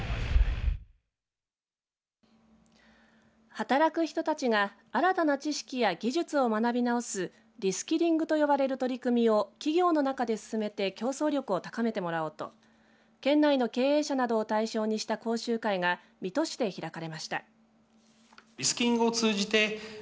働く人たちが新たな知識や技術を学び直すリスキリングと呼ばれる取り組みは企業の中で進めて競争力を高めてもらおうと県内の経営者などを対象にした講習会が水戸市で開かれました。